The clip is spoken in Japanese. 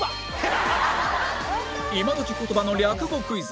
今どき言葉の略語クイズ